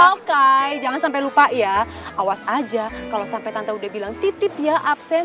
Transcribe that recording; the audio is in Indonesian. oke jangan sampai lupa ya awas aja kalau sampai tante udah bilang titip ya absen